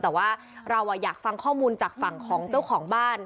แต่ว่าเราอยากฟังข้อมูลจากฝั่งของเจ้าของบ้าน